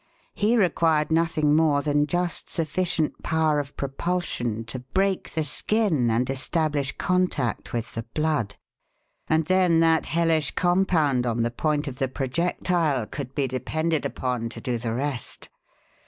He required nothing more than just sufficient power of propulsion to break the skin and establish contact with the blood, and then that hellish compound on the point of the projectile could be depended upon to do the rest.